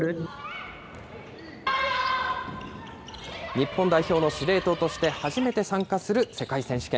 日本代表の司令塔として初めて参加する世界選手権。